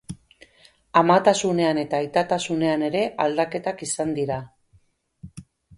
Amatasunean eta aitatasunean ere aldaketak izan dira.